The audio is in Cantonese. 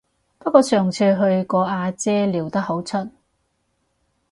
不過上次去個阿姐撩得好出